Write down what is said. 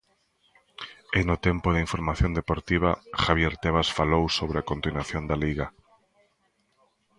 E no tempo da información deportiva, Javier Tebas falou sobre a continuación da Liga...